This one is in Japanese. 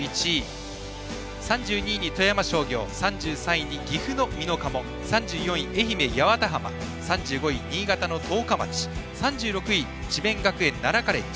３２位に富山商業３３位に岐阜の美濃加茂３４位、愛媛・八幡浜３５位、新潟の十日町３６位、智弁学園奈良カレッジ。